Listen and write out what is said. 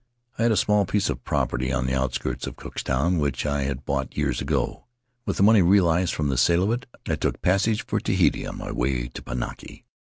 I had a small piece of property on the outskirts of Cooktown which I had bought years ago. With the money realized from the sale of it I took passage for Tahiti on my way to Pinaki.